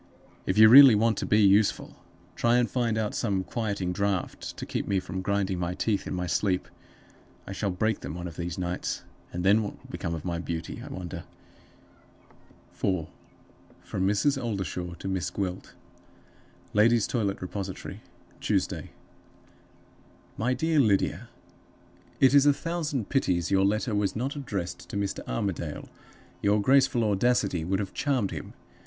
If you really want to be useful, try and find out some quieting draught to keep me from grinding my teeth in my sleep. I shall break them one of these nights; and then what will become of my beauty, I wonder?" 4. From Mrs. Oldershaw to Miss Gwilt. "Ladies' Toilet Repository, Tuesday. "MY DEAR LYDIA It is a thousand pities your letter was not addressed to Mr. Armadale; your graceful audacity would have charmed him.